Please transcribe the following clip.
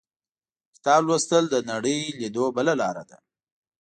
• کتاب لوستل، د نړۍ لیدو بله لاره ده.